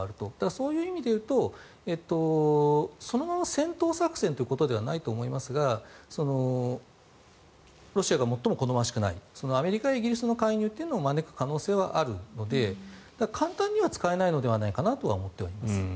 そういう意味で言うとそのまま戦闘作戦ということではないと思いますがロシアが最も好ましくないアメリカやイギリスの介入を招く可能性はあるので、簡単には使えないのではないかなと思ってはいます。